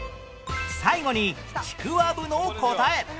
最後にちくわぶの答え